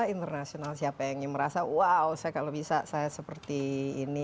internasional siapa yang merasa wow saya kalau bisa saya seperti ini